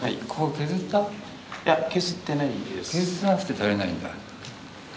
削ってなくてとれないんだ。